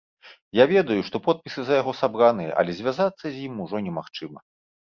Я ведаю, што подпісы за яго сабраныя, але звязацца з ім ужо немагчыма.